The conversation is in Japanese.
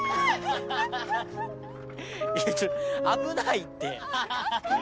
ちょっと危ないって。